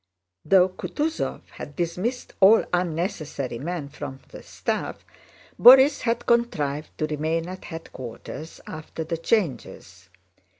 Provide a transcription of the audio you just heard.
Though Kutúzov had dismissed all unnecessary men from the staff, Borís had contrived to remain at headquarters after the changes.